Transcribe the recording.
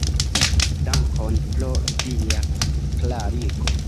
Dankon pro via klarigo!